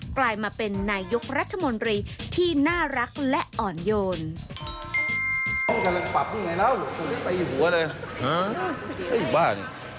กลายมาเป็นนายกรัฐมนตรีที่น่ารักและอ่อนโยน